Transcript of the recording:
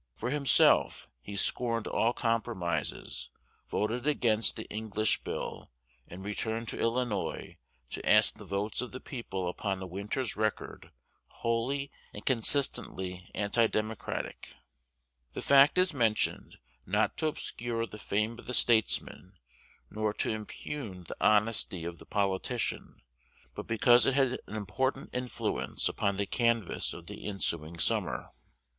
For himself he scorned all compromises, voted against the English Bill, and returned to Illinois to ask the votes of the people upon a winter's record wholly and consistently anti Democratic. The fact is mentioned, not to obscure the fame of the statesman, nor to impugn the honesty of the politician, but because it had an important influence upon the canvass of the ensuing summer.